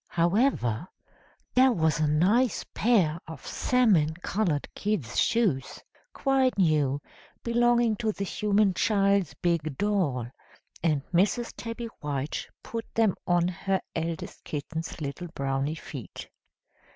However, there was a nice pair of salmon coloured kid shoes, quite new, belonging to the human child's big doll and Mrs. Tabby White put them on her eldest kitten's little browny feet.